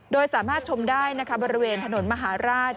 โดยสามารถชมได้นะคะบริเวณถนนมหาราช